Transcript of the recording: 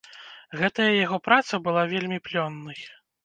Гэтая яго праца была вельмі плённай.